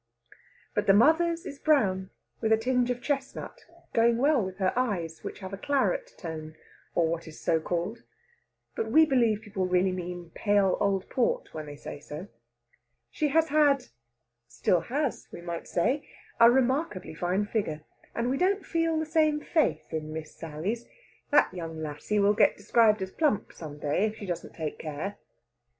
But the mother's is brown, with a tinge of chestnut; going well with her eyes, which have a claret tone, or what is so called; but we believe people really mean pale old port when they say so. She has had still has, we might say a remarkably fine figure, and we don't feel the same faith in Miss Sally's. That young lassie will get described as plump some day, if she doesn't take care.